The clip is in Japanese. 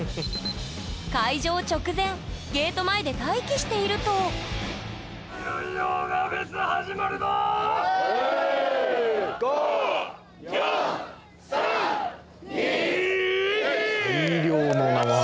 開場直前ゲート前で待機していると大量のナマハゲ。